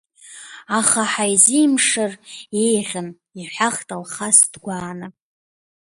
Аха ҳаизимшар, еиӷьын, иҳәахт Алхас дгәааны.